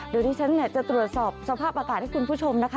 เดี๋ยวที่ฉันจะตรวจสอบสภาพอากาศให้คุณผู้ชมนะคะ